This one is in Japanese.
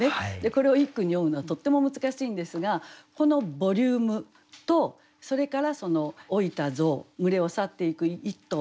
これを一句に詠むのはとっても難しいんですがこのボリュームとそれから老いた象群れを去っていく一頭